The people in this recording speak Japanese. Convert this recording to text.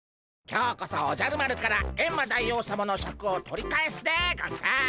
今日こそおじゃる丸からエンマ大王さまのシャクを取り返すでゴンス！